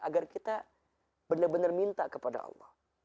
agar kita benar benar minta kepada allah